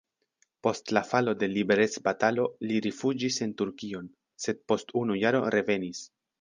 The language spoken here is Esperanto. Post la falo de liberecbatalo li rifuĝis en Turkion, sed post unu jaro revenis.